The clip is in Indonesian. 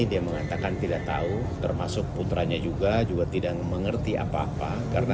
dia mengatakan tidak tahu termasuk putranya juga tidak mengerti apa apa